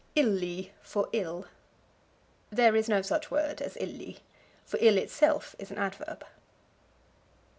Illy for Ill. There is no such word as illy, for ill itself is an adverb.